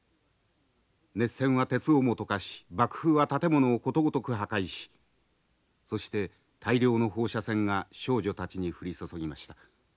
熱線は鉄をも溶かし爆風は建物をことごとく破壊しそして大量の放射線が少女たちに降り注ぎました。